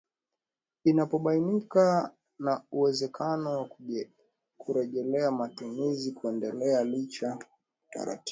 inapobainika na uwezekano wa kurejelea matumizi kuendelea lichaUtaratibu